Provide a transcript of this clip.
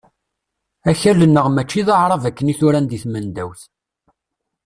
Akal-nneɣ mačči d aɛrab akken i t-uran deg tmendawt.